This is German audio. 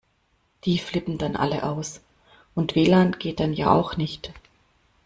Die flippen dann alle aus. Und W-Lan geht dann ja auch nicht.